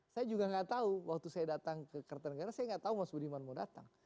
saya juga nggak tahu waktu saya datang ke kertanegara saya nggak tahu mas budiman mau datang